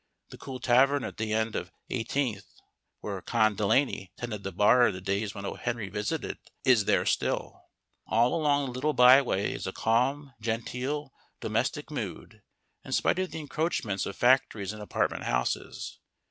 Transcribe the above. The cool tavern at the corner of Eighteenth, where Con Delaney tended the bar in the days when O. Henry visited it, is there still. All along the little byway is a calm, genteel, domestic mood, in spite of the encroachments of factories and apartment houses.